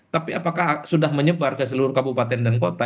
tapi apakah sudah menyebar ke seluruh kabupaten dan kota